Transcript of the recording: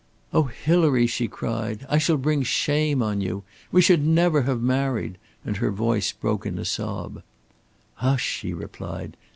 "Oh, Hilary," she cried. "I shall bring shame on you. We should never have married," and her voice broke in a sob. "Hush!" he replied.